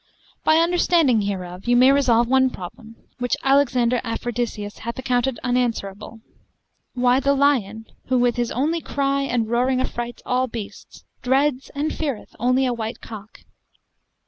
By understanding hereof, you may resolve one problem, which Alexander Aphrodiseus hath accounted unanswerable: why the lion, who with his only cry and roaring affrights all beasts, dreads and feareth only a white cock?